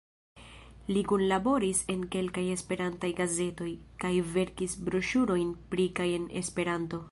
Li kunlaboris en kelkaj esperantaj gazetoj, kaj verkis broŝurojn pri kaj en Esperanto.